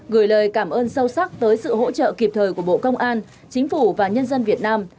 gửi lời cảm ơn sâu sắc tới sự hỗ trợ kịp thời của bộ công an chính phủ và nhân dân việt nam